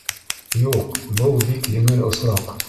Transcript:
О, юҡ, был бик еңел осраҡ